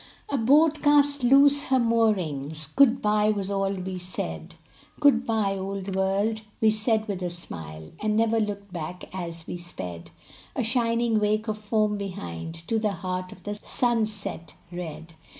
The boat cast loose her moorings; "Good by" was all we said. "Good by, Old World," we said with a smile, And never looked back as we sped, A shining wake of foam behind, To the heart of the sunset red.